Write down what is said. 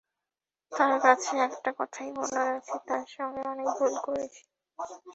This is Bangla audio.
তাঁর কাছে একটা কথাই বলার আছে, তাঁর সঙ্গে অনেক ভুল করেছি।